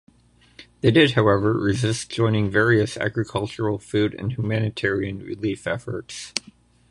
They did, however, resist joining various agricultural, food and humanitarian relief efforts.